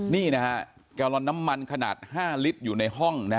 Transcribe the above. นี่นะฮะแกลลอนน้ำมันขนาด๕ลิตรอยู่ในห้อง